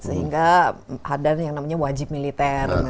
sehingga ada yang namanya wajib militer